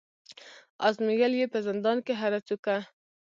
آزمېیل یې په زندان کي هره څوکه